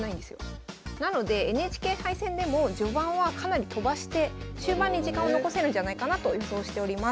なのでＮＨＫ杯戦でも序盤はかなりとばして終盤に時間を残せるんじゃないかなと予想しております。